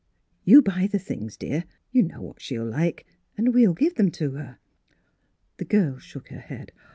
You buy the things, dear, — you know what she'll like, and we'll give them to her." The girl shook her head.